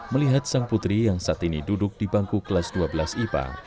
melihat sang putri yang saat ini duduk di bangku kelas dua belas ipa